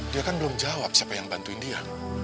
dia kan belum jawab siapa yang bantuin dia